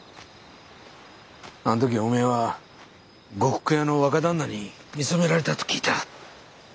あん時おめえは呉服屋の若旦那に見初められたと聞いた。